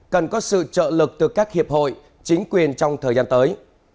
cần có sự trợ lực từ các hiệp hội chính quyền trong thời gian tới